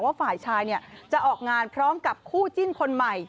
ฝ่ายชายจะออกงานพร้อมกับคู่จิ้นคนใหม่